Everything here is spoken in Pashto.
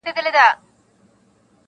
• خو دانو ته یې زړه نه سو ټینګولای -